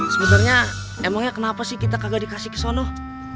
sebenarnya emangnya kenapa sih kita kagak dikasih keseluruh